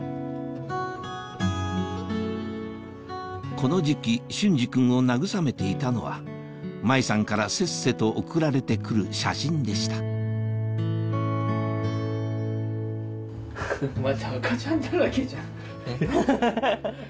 この時期隼司君を慰めていたのは麻衣さんからせっせと送られて来る写真でしたハハハ。